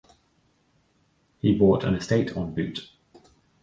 He bought an estate on Bute.